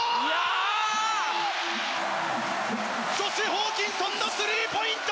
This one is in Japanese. ホーキンソンスリーポイント！